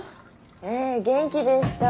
ええ元気でした。